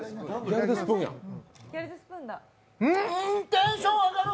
テンション上がる。